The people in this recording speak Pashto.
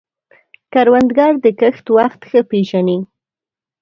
کروندګر د کښت وخت ښه پېژني